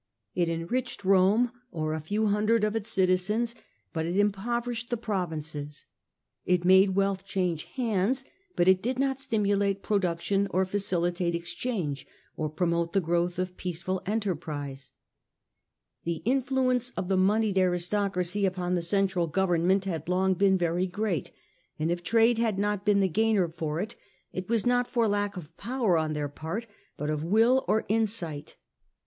It enriched Rome, or a few hundreds of its citizens, but it impoverished the provinces. It made wealth change hands ; but it did not stimulate riched them ••* selves Wltll* production or facilitate exchange or promote out benefit the growth of peaceful enterprise. The in to the world, fluence of the moneyed aristocracy upon the central government had long been very great ; and if trade had not been the gainer for it, it was not from lack of power on their part, but of will or insight.